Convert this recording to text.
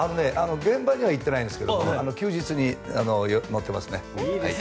現場にはいってないんですが休日に乗ってます。